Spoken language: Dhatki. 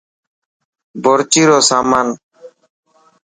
بورچي رو سامان.